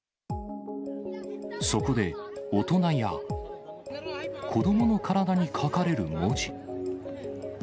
そこで大人や子どもの体に書かれる文字。